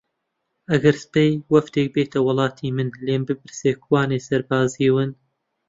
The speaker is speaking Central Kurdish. ئەگەر سبەی وەفدێک بێتە وڵاتی من لێم بپرسێ کوانێ سەربازی ون